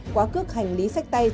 quá cước hành lý sách tay